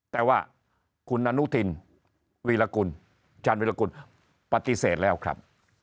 แต่ว่าคุณอนุทินวีรกุลชาญวิรากุลปฏิเสธแล้วครับ